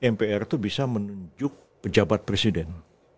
mpr itu bisa menunjuk pejabat presiden